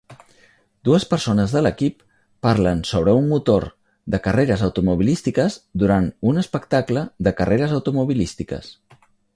dues persones de l'equip parlen sobre un motor de carreres automobilístiques durant un espectacle de carreres automobilístiques.